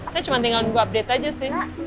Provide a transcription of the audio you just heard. saya cuma tinggal nunggu update aja sih